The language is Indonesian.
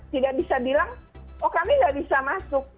tidak bisa bilang oh kami tidak bisa masuk